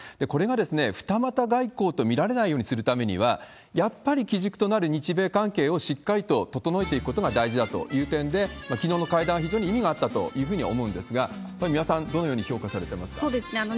これが二股外交と見られないようにするためには、やっぱり基軸となる日米関係をしっかりと整えていくことが大事だという点で、きのうの会談、非常に意義があったというふうに思うんですが、三輪さん、どのよそうですね。